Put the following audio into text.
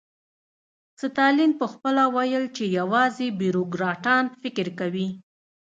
ستالین پخپله ویل چې یوازې بیروکراټان فکر کوي